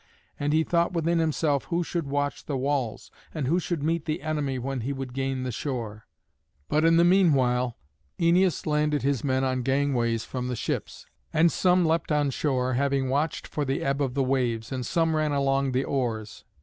And he thought within himself who should watch the walls, and who should meet the enemy when he would gain the shore. But in the meanwhile Æneas landed his men on gangways from the ships. And some leapt on shore, having watched for the ebb of the waves, and some ran along the oars.